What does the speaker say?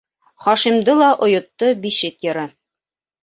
Хашимды ла ойотто бишек йыры.